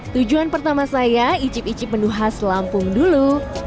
tujuan pertama saya icip icip menu khas lampung dulu